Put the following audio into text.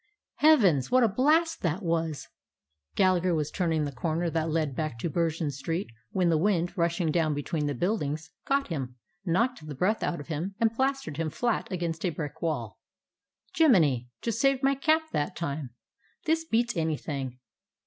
Heavens! What a blast that was! Gal lagher was turning the corner that led back to Bergen Street when the wind, rushing down between the buildings, caught him, knocked the breath out of him, and plastered him flat against a brick wall. "Jiminy! Just saved my cap that time. This beats anything."